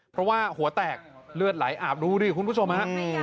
เพราะว่าหัวแตกเลือดไหลอาบดูดิคุณผู้ชมฮะ